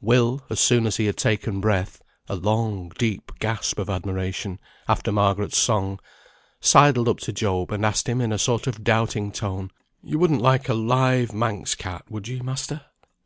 Will, as soon as he had taken breath (a long, deep gasp of admiration) after Margaret's song, sidled up to Job, and asked him in a sort of doubting tone, "You wouldn't like a live Manx cat, would ye, master?"